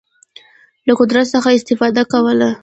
له قدرت څخه استفاده کوله.